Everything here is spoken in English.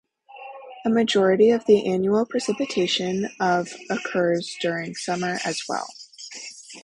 A majority of the annual precipitation of occurs during summer as well.